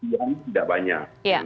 yang tidak banyak